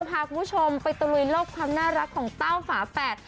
พาคุณผู้ชมไปตะลุยโลกความน่ารักของเต้าฝาแฝด